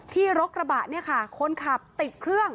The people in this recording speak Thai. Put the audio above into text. รถกระบะเนี่ยค่ะคนขับติดเครื่อง